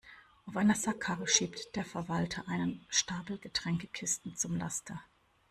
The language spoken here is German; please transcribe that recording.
Auf einer Sackkarre schiebt der Verwalter einen Stapel Getränkekisten zum Laster.